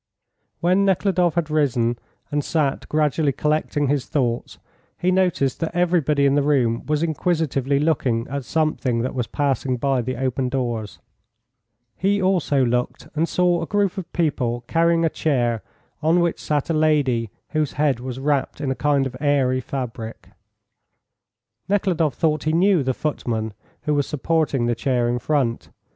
When Nekhludoff had risen and sat gradually collecting his thoughts, he noticed that everybody in the room was inquisitively looking at something that was passing by the open doors. He also looked, and saw a group of people carrying a chair on which sat a lady whose head was wrapped in a kind of airy fabric. Nekhludoff thought he knew the footman who was supporting the chair in front.